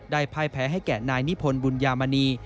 พ่ายแพ้ให้แก่นายนิพนธ์บุญยามณี